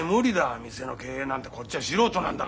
店の経営なんてこっちは素人なんだから。